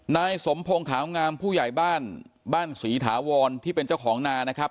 นายสมพงศ์ขาวงามผู้ใหญ่บ้านบ้านศรีถาวรที่เป็นเจ้าของนานะครับ